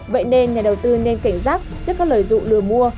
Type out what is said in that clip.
vậy nên nhà đầu tư nên cảnh giác trước các lợi dụ lừa mua